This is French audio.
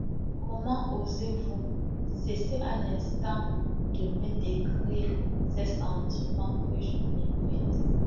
«Comment osez-vous ?… Cessez à l’instant de me décrire des sentiments que je méprise.